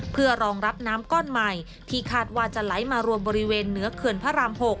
เพื่อรองรับน้ำก้อนใหม่ที่คาดว่าจะไหลมารวมบริเวณเหนือเขื่อนพระราม๖